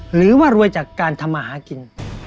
หรือว่ารวยจากการทำมาหากิน